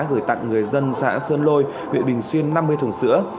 gửi tặng người dân xã sơn lôi huyện bình xuyên năm mươi thùng sữa